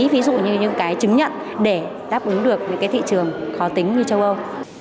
ví dụ như những cái chứng nhận để đáp ứng được những cái thị trường khó tính như châu âu